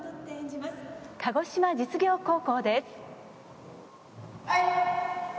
鹿児島実業高校です。